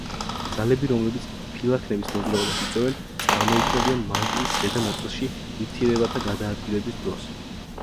ძალები, რომლებიც ფილაქნების მოძრაობას იწვევენ, წარმოიქმნებიან მანტიის ზედა ნაწილში, ნივთიერებათა გადაადგილების დროს.